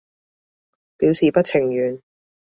表示不情願